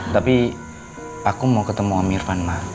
tapi aku mau ketemu mirvan ma